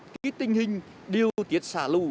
cái tình hình điều tiết sả lụ